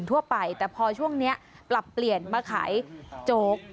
ทั่วไปแต่พอช่วงนี้ปรับเปลี่ยนมาขายโจ๊ก